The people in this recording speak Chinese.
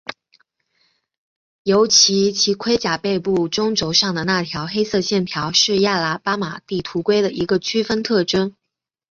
尤其其盔甲背部中轴上的那道黑色线条是亚拉巴马地图龟的一个区分特征。